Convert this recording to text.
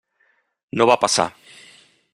No va passar.